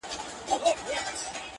روغ زړه درواخله خدایه بیا یې کباب راکه~